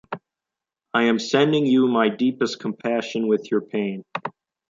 I am sending you my deepest compassion with your pain.